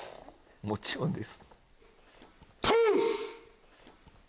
もちろんです？